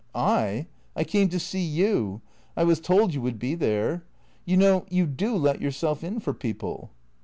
" I ? I came to see you. I was told you would be there. You know, you do let yourself in for people."